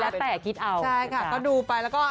ใช่ค่ะก็ดูไปแล้วก็